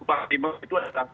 untuk empat lima juta